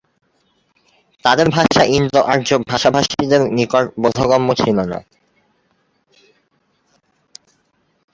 তাদের ভাষা ইন্দো-আর্য ভাষাভাষীদের নিকট বোধগম্য ছিল না।